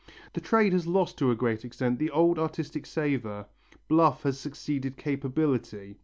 The trade has lost to a great extent the old artistic savour, bluff has succeeded capability.